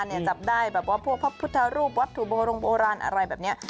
จะไปจับโปรงจับปลาจับได้พวกพระพุทธรูปวัตถุโบราณอะไรแบบนี้